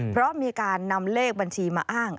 เพราะมีการนำเลขบัญชีมาอ้าง